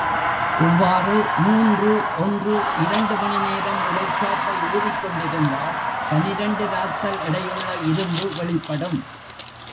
இவ்வாறு மூன்று ஒன்று இரண்டு மணி நேரம் உலைக்காற்றை ஊதிக் கொண்டிருந்தால் பனிரண்டு ராத்தல் எடையுள்ள இரும்பு வெளிப்படும்.